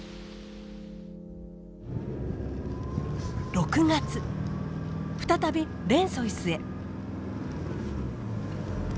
６月再びレンソイスへ。